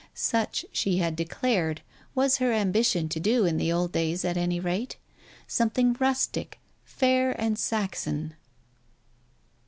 Such, she had declared, was her ambition to do in the old days at any rate, some thing rustic, fair and Saxon.